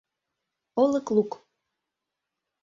Олык лук